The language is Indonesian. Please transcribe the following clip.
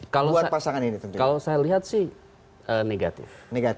kalau saya lihat sih negatif